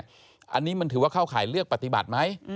อันนี้มันถือว่าเข้าข่ายเลือกปฏิบัติไหม